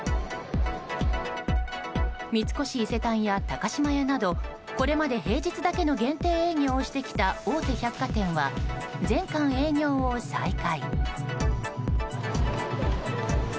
三越伊勢丹や高島屋などこれまで平日だけの限定営業をしてきた大手百貨店は全館営業を再開。